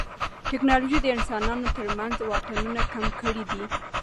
ټیکنالوژي د انسانانو ترمنځ واټنونه کم کړي دي.